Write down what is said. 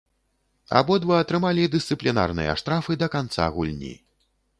Абодва атрымалі дысцыплінарныя штрафы да канца гульні.